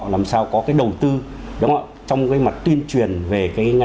làm sao có cái đầu tư trong cái mặt tuyên truyền về cái ngành